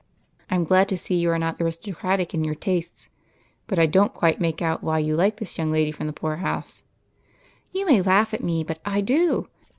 "I'm glad to see that you are not aristocratic in your tastes, but I don't quite make out why you like this young lady from the poor house." " You may laugh at me, but I do.